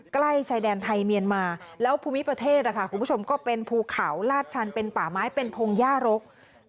ใกล้ชายแดนไทยเมียนมาแล้วภูมิประเทศคุณผู้ชมก็เป็นภูเขาลาดชันเป็นป่าไม้เป็นพงหญ้ารก